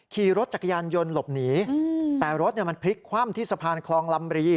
ขี่รถจักรยานยนต์หลบหนีแต่รถมันพลิกคว่ำที่สะพานคลองลำรี